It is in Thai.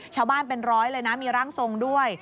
ชาวบ้านเป็นร้อยเลยนะมีร่างทรงด้วย